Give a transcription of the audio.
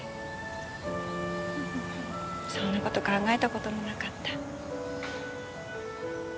そんなこと考えたこともなかった。